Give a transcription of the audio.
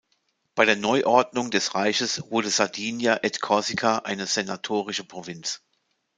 Bei der Neuordnung des Reiches wurde "Sardinia et Corsica" eine senatorische Provinz.